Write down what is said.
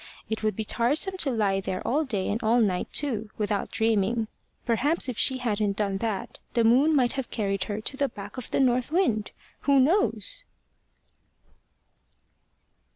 It would be tiresome to lie there all day and all night too without dreaming. Perhaps if she hadn't done that, the moon might have carried her to the back of the north wind who knows?"